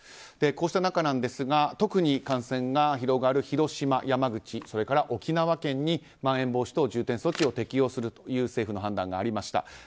こうした中、特に感染が広がる広島、山口、沖縄県にまん延防止等重点措置を適用するという政府の判断がありました。